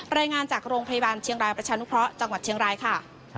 รายงานจากโรงพยาบาลเชียงรายประชานุเคราะห์จังหวัดเชียงรายค่ะ